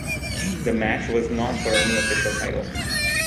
The match was not for any official title.